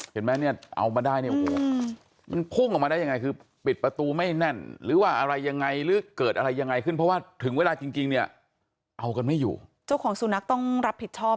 หายความเสียหายที่เกิดขึ้นแบบนี้อะ